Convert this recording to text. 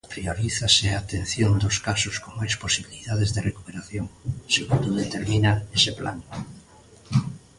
Priorizarase a atención dos casos con máis posibilidades de recuperación, segundo determina ese plan.